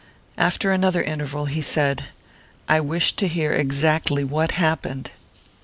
After another interval he said: "I wish to hear exactly what happened."